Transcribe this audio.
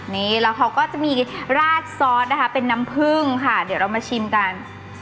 นี่แล้วเขาก็จะมีราดซอสนะคะเป็นน้ำผึ้งค่ะเดี๋ยวเรามาชิมกัน